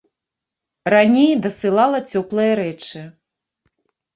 Раней дасылала цёплыя рэчы.